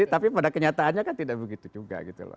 tapi pada kenyataannya kan tidak begitu juga gitu loh